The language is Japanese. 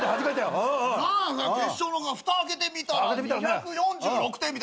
決勝ふた開けてみたら２４６点。